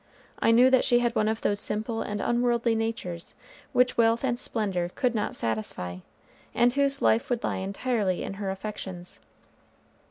I knew that she had one of those simple and unworldly natures which wealth and splendor could not satisfy, and whose life would lie entirely in her affections.